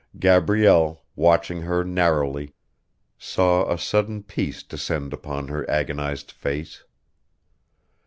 Gabrielle, watching her narrowly, saw a sudden peace descend upon her agonised face.